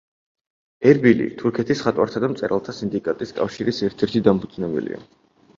ერბილი, თურქეთის მხატვართა და მწერალთა სინდიკატის კავშირის ერთ-ერთი დამფუძნებელია.